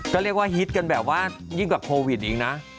ก็เรียกว่าฮิตกันแบบว่ายิ่งกว่าโควิดอีกนะ